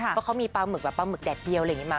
เพราะเขามีปลาหมึกแบบปลาหมึกแดดเดียว